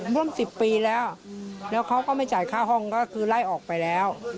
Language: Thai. ร่วม๑๐ปีแล้วแล้วเขาก็ไม่จ่ายค่าห้องก็คือไล่ออกไปแล้ว